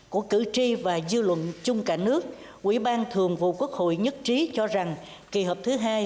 của cử tri và dư luận chung cả nước quỹ ban thường vụ quốc hội nhất trí cho rằng kỳ họp thứ hai